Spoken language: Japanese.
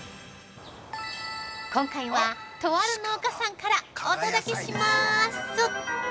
今回は、とある農家さんからお届けしまーす！